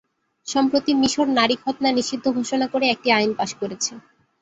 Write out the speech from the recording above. সম্প্রতি মিশর নারী খৎনা নিষিদ্ধ ঘোষণা করে একটি আইন পাস করেছে।